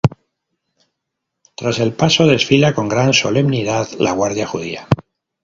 Tras el paso desfila con gran solemnidad "la guardia judía".